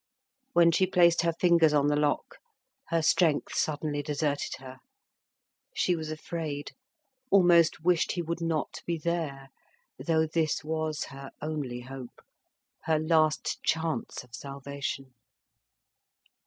When she placed her fingers on the lock her strength suddenly deserted her. She was afraid, almost wished he would not be there, though this was her only hope, her last chance of salvation.